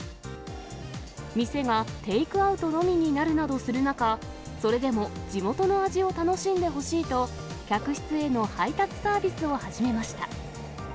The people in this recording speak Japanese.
店がテイクアウトのみになるなどする中、それでも地元の味を楽しんでほしいと、客室への配達サービスを始めました。